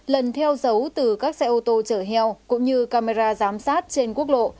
lần theo dấu từ các xe ô tô chở heo cũng như camera giám sát trên quốc lộ